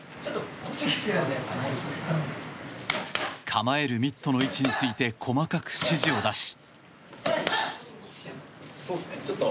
構えるミットの位置について細かく指示を出し。